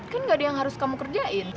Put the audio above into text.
kan gak ada yang harus kamu kerjain